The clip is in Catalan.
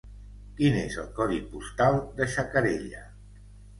Quin és el codi postal de Xacarella?